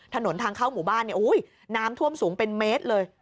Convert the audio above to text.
ถนนทางเข้าหมู่บ้านเนี่ยน้ำท่วมสูงเป็นเมตรเลย